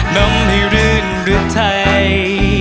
น้ำให้รื่นรึทัย